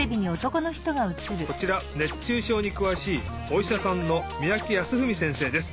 こちら熱中症にくわしいおいしゃさんの三宅康史せんせいです。